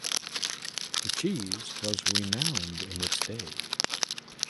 The cheese was renowned in its day.